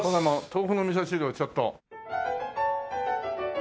豆腐のみそ汁をちょっと。